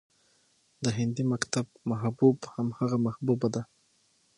د هندي مکتب محبوب همغه محبوبه ده